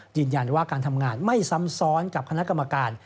ยืนยันว่าการทำงานไม่ซ้ำซ้อนกับคณะกรรมการ